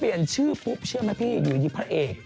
เปลี่ยนชื่อก็เชื่อไหมพี่ยูยิพระเอก